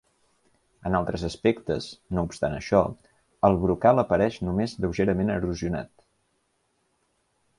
En altres aspectes, no obstant això, el brocal apareix només lleugerament erosionat.